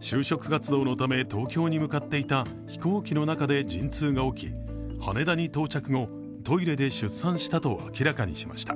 就職活動のため東京に向かっていた飛行機の中で陣痛が起き、羽田に到着後、トイレで出産したと明らかにしました。